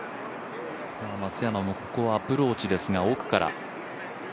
松山もここはアプローチですが、奥から。